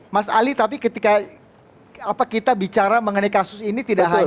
mas ali tapi ketika kita bicara mengenai kesehatan